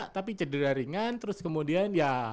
tapi cedera ringan terus kemudian ya